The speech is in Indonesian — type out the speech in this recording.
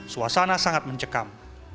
suasana sangat mencekam